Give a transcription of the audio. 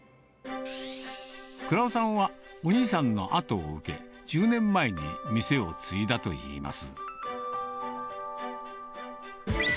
倉生さんはお兄さんの後を受け、１０年前に店を継いだといいます。